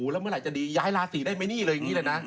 แล้วเมื่อไหร่จะดีย้ายราศิได้ไหมนี่เลย